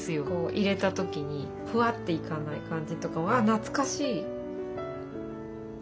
入れた時にふわっといかない感じとか懐かしい。